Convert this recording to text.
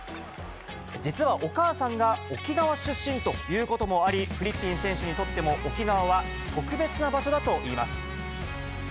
実はお母さんが沖縄出身ということもあり、フリッピン選手にとっても沖縄は特別な場所だといいます。